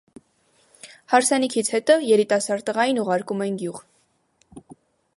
Հարսանիքից հետո երիտասարդ տղային ուղարկում են գյուղ։